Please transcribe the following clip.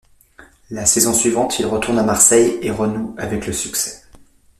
La saison suivante, il retourne à Marseille et renoue avec le succès.